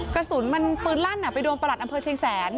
กระสุนมันปืนลั่นไปโดนประหลัดอำเภอเชียงแสน